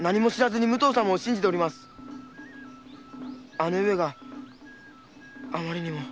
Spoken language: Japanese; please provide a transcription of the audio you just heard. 姉上があまりにも。